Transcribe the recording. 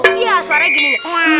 iya suaranya gini